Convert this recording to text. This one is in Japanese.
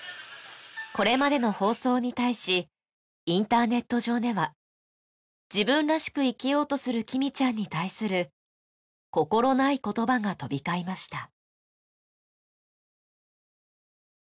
これまでの放送に対しインターネット上では自分らしく生きようとするきみちゃんに対する心ない言葉が飛び交いました